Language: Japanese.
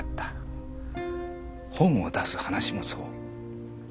本を出す話もそう。